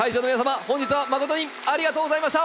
本日は誠にありがとうございました。